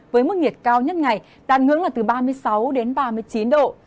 với mức nhiệt cao nhất ngày đạt ngưỡng là từ ba mươi sáu đến ba mươi chín độ